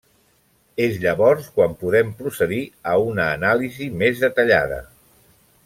És llavors quan podem procedir a una anàlisi més detallada.